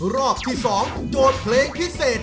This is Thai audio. รอบที่๒โจทย์เพลงพิเศษ